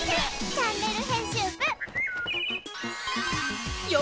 チャンネル編集部」へ！